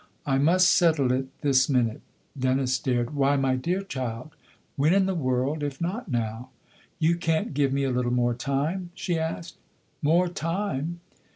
" I must settle it this minute ?" Dennis stared. " Why, my dear child, when in the world if not now ?" "You can't give me a little more time?" she asked. " More time